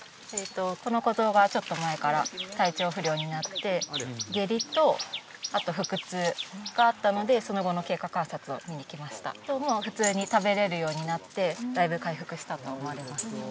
この子ゾウがちょっと前から体調不良になって下痢と腹痛があったのでその後の経過観察を見に来ましたもう普通に食べれるようになってだいぶ回復したと思われます